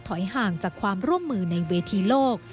ห่างจากความร่วมมือในเวทีโลก